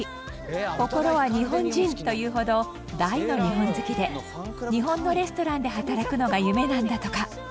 心は日本人というほど大の日本好きで日本のレストランで働くのが夢なんだとか。